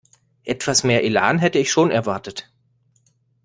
Etwas mehr Elan hätte ich schon erwartet.